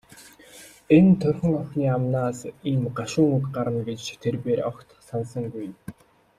Энэ турьхан охины амнаас ийм гашуун үг гарна гэж тэр бээр огт санасангүй.